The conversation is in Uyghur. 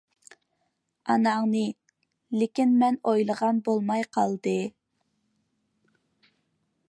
ئاناڭنى. لېكىن مەن ئويلىغان بولماي قالدى.